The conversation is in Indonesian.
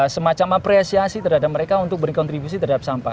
semacam apresiasi terhadap mereka untuk berkontribusi terhadap sampah